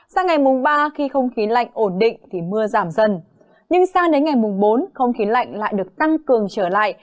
sang ngày mùng ba khi không khí lạnh ổn định thì mưa giảm dần nhưng sang đến ngày mùng bốn không khí lạnh lại được tăng cường trở lại